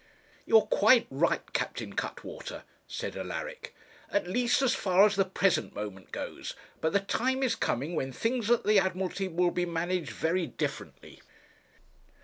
'You're quite right, Captain Cuttwater,' said Alaric, 'at least as far as the present moment goes; but the time is coming when things at the Admiralty will be managed very differently.'